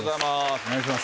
お願いします。